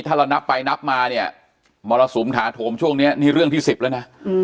ถ้าเรานับไปนับมาเนี่ยมรสุมถาโถมช่วงนี้นี่เรื่องที่๑๐แล้วนะ